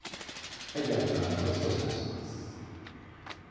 ではサラダ油を少し足します。